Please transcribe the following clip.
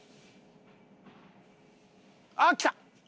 あっきた。